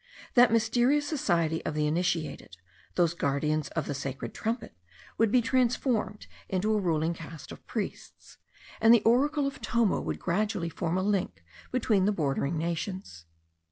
That mysterious society of the initiated, those guardians of the sacred trumpet, would be transformed into a ruling caste of priests, and the oracle of Tomo would gradually form a link between the bordering nations.